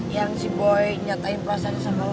yang si boy nyatain perasaannya sama lo